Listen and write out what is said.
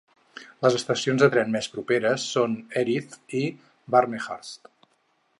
Les estacions de tren més properes són Erith i Barnehurst.